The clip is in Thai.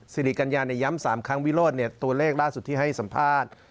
สิริกัญญาย้ำ๓ครั้งวิโรธตัวเลขล่าสุดที่ให้สัมภาษณ์